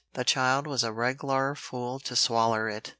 The child was a reg'lar fool to swaller it."